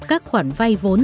các khoản vai vốn